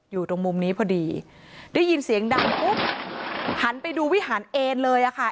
อยู่ตรงมุมนี้พอดีได้ยินเสียงดังปุ๊บหันไปดูวิหารเอนเลยอะค่ะ